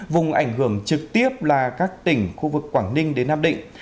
vùng ảnh hưởng trực tiếp là các tỉnh khu vực quảng ninh đến nam định